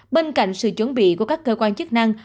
bên cạnh sự chuẩn bị của các cơ quan chức năng